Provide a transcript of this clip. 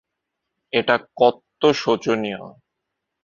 এটা কত্ত শোচনীয়!